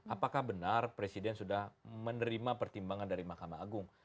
apakah benar presiden sudah menerima pertimbangan dari mahkamah agung